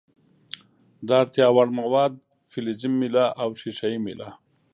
د اړتیا وړ مواد فلزي میله او ښيښه یي میله ده.